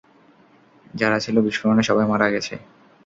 যারা ছিল, বিস্ফোরণে সবাই মারা গেছে।